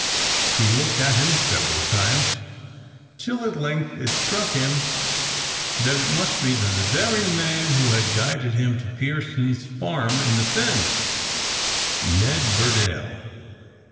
He looked at him several times, till at length it struck him that it must be the very man who had guided him to Pearson's farm in the fens Ned Burdale.